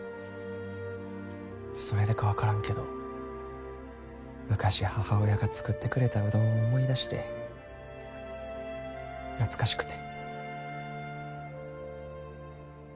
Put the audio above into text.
それでか分からんけど昔母親が作ってくれたうどんを思い出して懐かしくて。